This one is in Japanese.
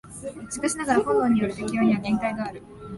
しかしながら本能による適応には限界がある。